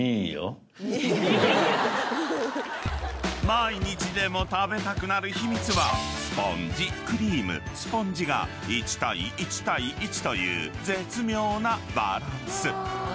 ［毎日でも食べたくなる秘密はスポンジクリームスポンジが１対１対１という絶妙なバランス］